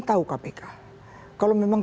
tahu kpk kalau memang